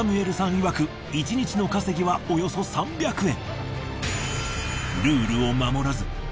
いわく１日の稼ぎはおよそ３００円。